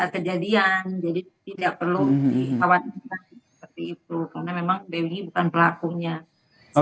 karena memang pegi bukan pelakunya